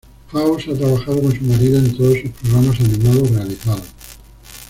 Faust ha trabajado con su marido en todos sus programas animados realizados.